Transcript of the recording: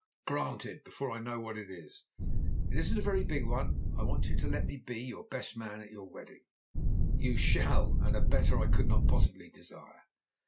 "Granted before I know what it is!" "It isn't a very big one. I want you to let me be your best man at your wedding?" "So you shall. And a better I could not possibly desire."